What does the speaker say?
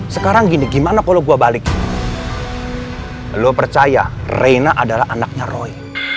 sekarang gini gimana kalau gua balik lu percaya reyna adalah anaknya roy